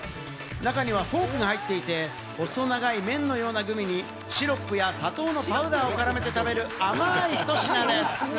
中にはフォークが入っていて、細長い麺のようなグミにシロップや砂糖のパウダーを絡めて食べるあまいひと品です。